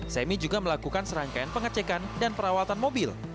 semi juga melakukan serangkaian pengecekan dan perawatan mobil